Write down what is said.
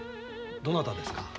どなたですか？